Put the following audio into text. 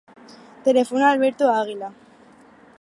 Telefona a l'Alberto Aguila.